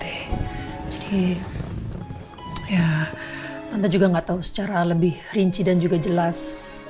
jadi ya tante juga gak tau secara lebih rinci dan juga jelas